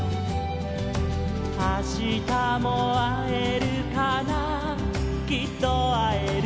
「あしたもあえるかなきっとあえる」